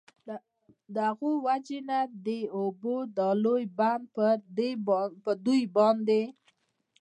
د هغوی د وجي نه د اوبو دا لوی بند په دوی باندي